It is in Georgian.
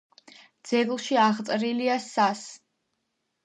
ძეგლში აღწერილია სას.